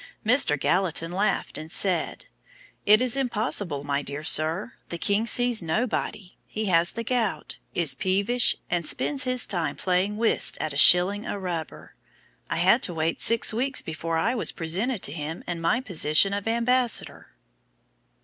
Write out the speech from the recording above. Mr. Gallatin laughed and said: "It is impossible, my dear sir, the King sees nobody; he has the gout, is peevish, and spends his time playing whist at a shilling a rubber. I had to wait six weeks before I was presented to him in my position of ambassador."